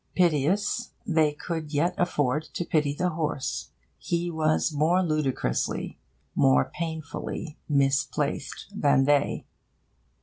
Piteous, they could yet afford to pity the horse. He was more ludicrously, more painfully, misplaced than they.